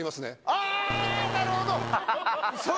あー、なるほど。